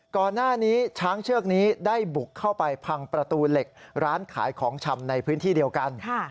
ก่อนหน้านี้ช้างเชือกนี้ได้บุกเข้าไปพังประตูเหล็กร้านขายของชำในพื้นที่เดียวกัน